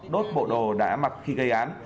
đốt bộ đồ đá mặt khi gây án